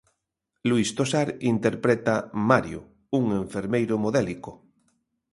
Luís Tosar interpreta Mario, un enfermeiro modélico.